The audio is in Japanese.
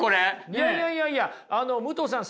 いやいやいやいや武藤さん